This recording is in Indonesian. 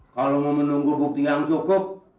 kalau mau menunggu bukti yang cukup